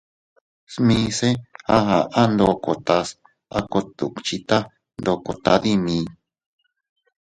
Smise a aʼa ndokotas a kot duckhita ndoko tadimi.